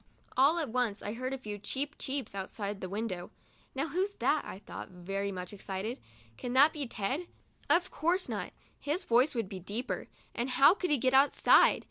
All at once I heard a few "cheep, cheeps" outside of the window. "Now, who is that?" I thought, very much excited; "can that be Ted? Of course not; his voice would be deeper, and how could he get outside?